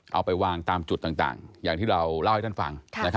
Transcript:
เอาไปวางตามจุดต่างอย่างที่เราเล่าให้ท่านฟัง